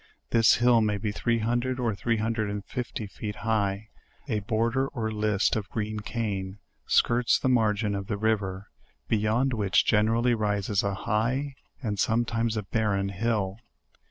This hill may be three hundred or three hundred and fifty feet high; a border or list of green cane skirts the margin of the river, beyond which generally rises a high, and sometimes a barren hill.